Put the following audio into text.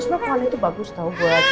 soalnya pohon itu bagus tau buat hidung